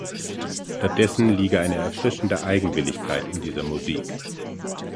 Stattdessen liege „eine erfrischende Eigenwilligkeit in dieser Musik“.